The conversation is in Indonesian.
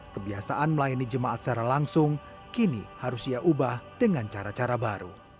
kebiasaan melayani jemaat secara langsung kini harus ia ubah dengan cara cara baru